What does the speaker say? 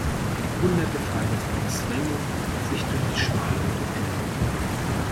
Hunderte Fahrgäste zwängen sich durch die schmale Unterführung.